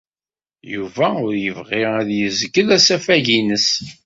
Yuba ur yebɣi ad yezgel asafag-nnes.